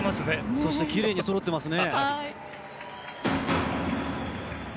そして、きれいにそろってますね。